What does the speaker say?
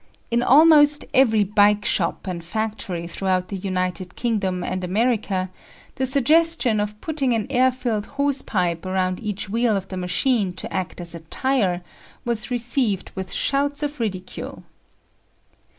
In almost every "bike" shop and factory throughout the United Kingdom and America, the suggestion of putting an air filled hosepipe around each wheel of the machine to act as a tyre was received with shouts of ridicule!